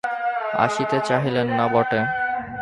আসিতে চাহিলেন না, বটে!